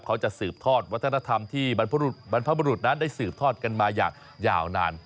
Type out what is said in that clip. เขาจะสืบทอดวัฒนธรรมที่บรรพบรุษนั้นได้สืบทอดกันมาอย่างยาวนาน